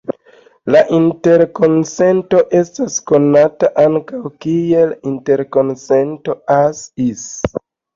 La interkonsento estas konata ankaŭ kiel interkonsento "As-Is".